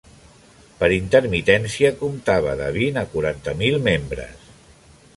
Per intermitència comptava de vint a quaranta mil membres.